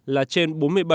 là trên bốn mươi bảy một